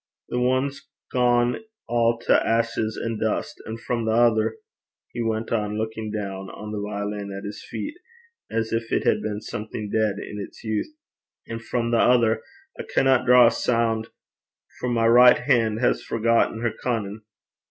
The tane's gane a' to aise an' stew (ashes and dust), an' frae the tither,' he went on, looking down on the violin at his feet as if it had been something dead in its youth 'an' frae the tither I canna draw a cheep, for my richt han' has forgotten her cunnin'.